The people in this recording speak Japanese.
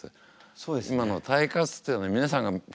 そうですね。